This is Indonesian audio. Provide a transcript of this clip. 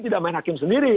tidak main hakim sendiri